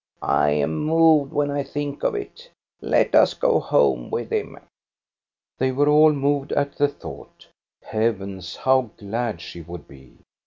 I am moved when I think of it. Let us go home with him !" They were all moved at the thought Heavens, how glad she would be